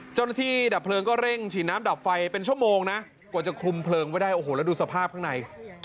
ดับเพลิงก็เร่งฉีดน้ำดับไฟเป็นชั่วโมงนะกว่าจะคุมเพลิงไว้ได้โอ้โหแล้วดูสภาพข้างใน